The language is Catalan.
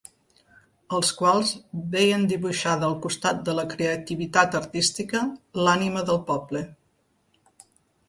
Els quals veien dibuixada al costat de la creativitat artística, l’ànima del poble.